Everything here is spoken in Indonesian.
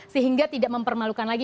sehingga tidak mempermalukan lagi